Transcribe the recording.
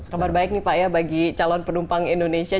kabar baik nih pak ya bagi calon penumpang indonesia